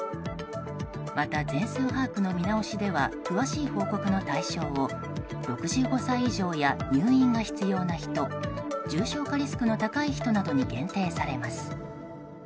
また、全数把握の見直しでは詳しい報告の対象を６５歳以上や入院が必要な人重症化リスクの高い人などに限定されます。